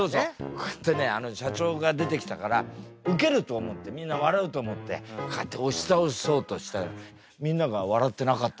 こうやってね社長が出てきたからウケると思ってみんな笑うと思ってこうやって押し倒そうとしたらみんなが笑ってなかった。